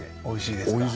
おいしいです。